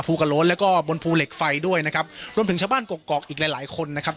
กะโล้นแล้วก็บนภูเหล็กไฟด้วยนะครับรวมถึงชาวบ้านกรกกอกอีกหลายหลายคนนะครับ